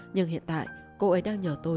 nhưng hiện tại cô ấy đang nhờ tôi